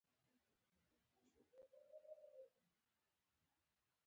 غوا د ماشومانو لپاره ګټوره ده.